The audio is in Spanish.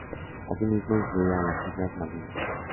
Asimismo, incluía a las Islas Malvinas.